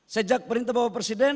sejak perintah bapak presiden